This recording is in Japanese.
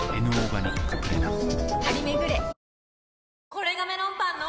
これがメロンパンの！